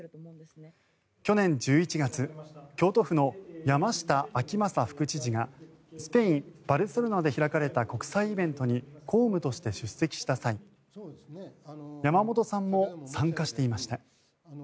去年１１月京都府の山下晃正副知事がスペイン・バルセロナで開かれた国際イベントに公務として出席した際山本さんも参加していました。